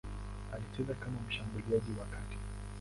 Alicheza kama mshambuliaji wa kati.